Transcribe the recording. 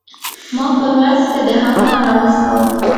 ما خپلې مرستې ته د هغه پام راوڅکاوه.